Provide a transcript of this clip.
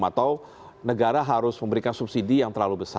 atau negara harus memberikan subsidi yang tiga t